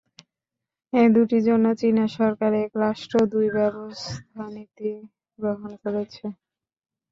এ দুটির জন্য চীনা সরকার ‘এক রাষ্ট্র, দুই ব্যবস্থা’ নীতি গ্রহণ করেছে।